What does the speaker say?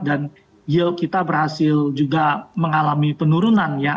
dan yield kita berhasil juga mengalami penurunan ya